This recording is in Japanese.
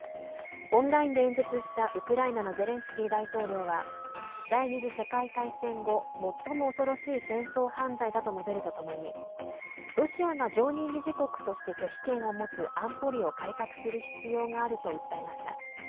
オンラインで演説したウクライナのゼレンスキー大統領は第２次世界大戦後、最も恐ろしい戦争犯罪だと述べるとともにロシアが常任理事国として拒否権を持つ安保理を改革する必要があると訴えました。